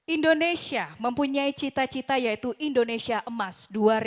indonesia mempunyai cita cita yaitu indonesia emas dua ribu dua puluh